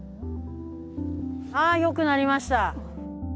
ああよくなりました。